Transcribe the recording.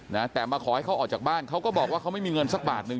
นะแต่มาขอให้เขาออกจากบ้านเขาก็บอกว่าเขาไม่มีเงินสักบาทหนึ่ง